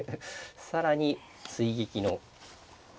更に追撃の。